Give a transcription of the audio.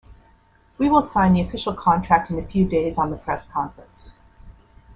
We will sign the official contract in a few days on the press conference.